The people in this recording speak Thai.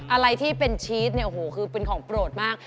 อะไรที่เป็นชีสเนี่ยโอ้โหคือเป็นของโปรดมาก